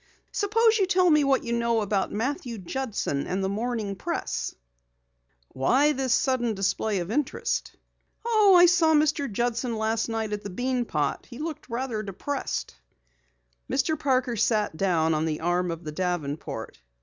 "Suppose you tell me what you know about Matthew Judson and the Morning Press." "Why this sudden display of interest?" "Oh, I saw Mr. Judson last night at the Bean Pot. He looked rather depressed." Mr. Parker sat down on the arm of the davenport.